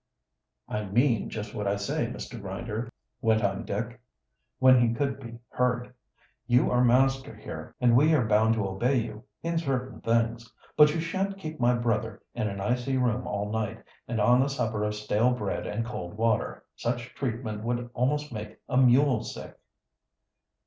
"I mean just what I say, Mr. Grinder," went on Dick, when he could be heard. "You are master here, and we are bound to obey you, in certain things. But you shan't keep my brother in an icy room all night, and on a supper of stale bread and cold water. Such treatment would almost make a mule sick."